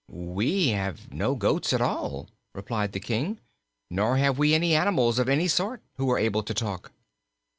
"We have no goats at all," replied the King; "nor have we any animals, of any sort, who are able to talk."